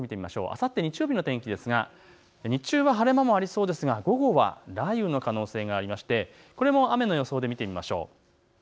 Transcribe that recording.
あさって日曜日の天気ですが日中は晴れ間もありそうですが午後は雷雨の可能性がありましてこれも雨の予想で見てみましょう。